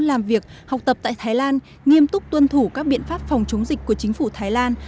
làm việc học tập tại thái lan nghiêm túc tuân thủ các biện pháp phòng chống dịch của chính phủ thái lan